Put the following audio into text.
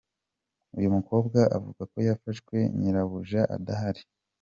Uyu mukobwa avuga ko yafashwe nyirabuja adahari.